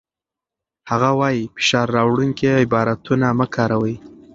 هغه وايي، فشار راوړونکي عبارتونه مه کاروئ.